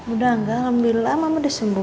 udah enggak alhamdulillah mama dia sembuh